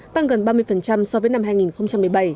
tăng gần ba mươi so với năm hai nghìn một mươi bảy